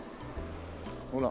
ほら。